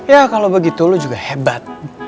ya kalau begitu lu juga hebat